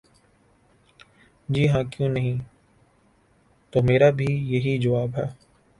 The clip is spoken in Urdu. ''جی ہاں، کیوں نہیں‘‘ ''تو میرا بھی یہی جواب ہے۔